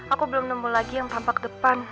aku belum nemu lagi yang tampak depan